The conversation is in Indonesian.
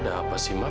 ada apa sih ma